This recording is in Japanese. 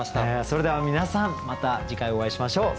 それでは皆さんまた次回お会いしましょう。